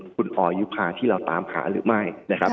คุณออยยุภาที่เราตามหาหรือไม่